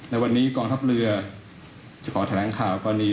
ในวันนี้กองทัพเรือจะขอแถลงข่าวกรณี